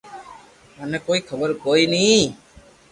منو ڪوئي خبر ڪوئي ني